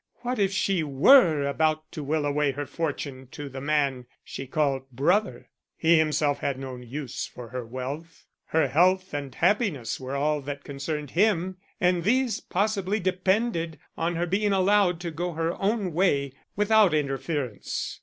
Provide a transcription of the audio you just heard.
What if she were about to will away her fortune to the man she called brother? He himself had no use for her wealth. Her health and happiness were all that concerned him, and these possibly depended on her being allowed to go her own way without interference.